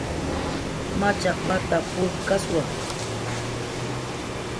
Machaq wata purkkaswa